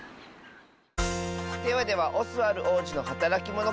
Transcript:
ではでは「オスワルおうじのはたらきモノ」